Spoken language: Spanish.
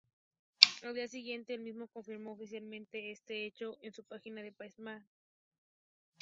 Al día siguiente, el mismo confirmó oficialmente este hecho en su página de Myspace.